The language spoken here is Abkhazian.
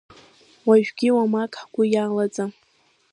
Уажәгьы уамак ҳгәы иалаӡам.